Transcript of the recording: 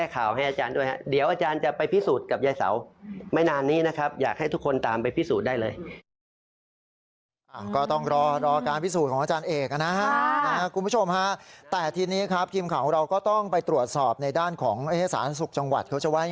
ก็เราผิดนะแก้ข่าวให้อาจารย์ด้วย